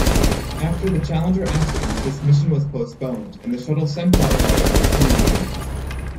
After the "Challenger" accident this mission was postponed, and the Shuttle-Centaur project was terminated.